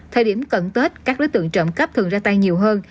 thời điểm cận tết các đối tượng trộm cắp thường ra tay nhiều hơn